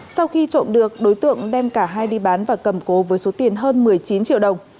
sau khi trộm được đối tượng đem cả hai đi bán và cầm cố với số tiền hơn một mươi chín triệu đồng